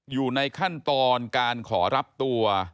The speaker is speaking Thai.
อยู่ในขั้นตอนการขอรับตัว